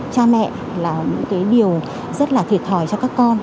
bố mẹ là những cái điều rất là thiệt hỏi cho các con